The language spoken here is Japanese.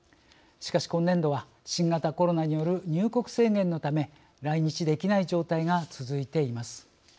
しかし、今年度は新型コロナによる入国制限のため来日できない状態が続いています。